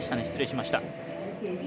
失礼しました。